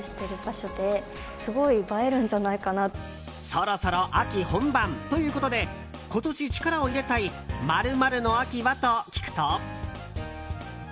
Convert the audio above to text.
そろそろ秋本番ということで今年、力を入れたい○○の秋は？と聞くと。